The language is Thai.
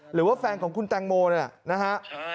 หรือว่าแฟนของคุณแตงโมเนี่ยนะฮะ